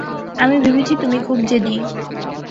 আমি ভেবেছি তুমি খুব জেদি।